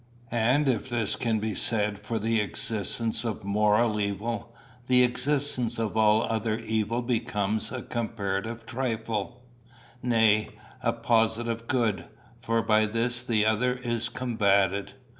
And if this can be said for the existence of moral evil, the existence of all other evil becomes a comparative trifle; nay, a positive good, for by this the other is combated."